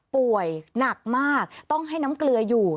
ป่วยหนักมากต้องให้น้ำเกลืออยู่